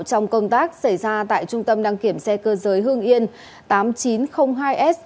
trong công tác xảy ra tại trung tâm đăng kiểm xe cơ giới hương yên tám nghìn chín trăm linh hai s